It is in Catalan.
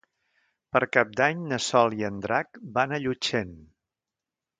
Per Cap d'Any na Sol i en Drac van a Llutxent.